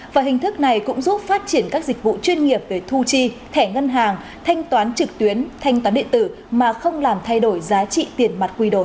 và hình thức này cũng giúp phát triển các dịch vụ chuyên nghiệp về thu chi thẻ ngân hàng thanh toán trực tuyến thanh toán điện tử mà không làm thay đổi giá trị tiền mặt quy đổi